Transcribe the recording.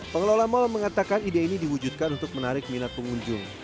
pengelola mal mengatakan ide ini diwujudkan untuk menarik minat pengunjung